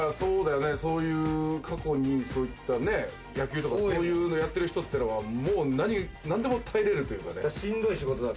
過去にそういった野球とか、そういうのやってる人っていうのは何でも耐えられるというかね。